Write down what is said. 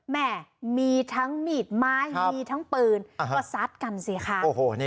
แหมมีทั้งมีดไม้มีทั้งปืนประสัตว์กันสิค่ะโอ้โหนี่